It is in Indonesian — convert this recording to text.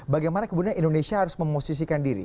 bagaimana kemudian indonesia harus memosisikan diri